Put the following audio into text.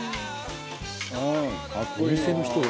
「お店の人だ」